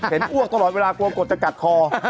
เห็นอ้วกตลอดเวลากลวงกดจะกัดคอ